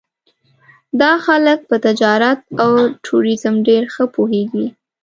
دا خلک په تجارت او ټوریزم ډېر ښه پوهېږي.